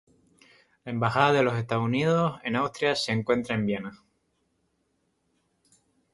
La Embajada de los Estados Unidos en Austria se encuentra en Viena.